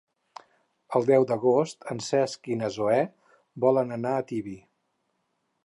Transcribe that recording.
El deu d'agost en Cesc i na Zoè volen anar a Tibi.